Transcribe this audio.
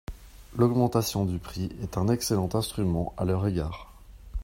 L’augmentation du prix est un excellent instrument à leur égard.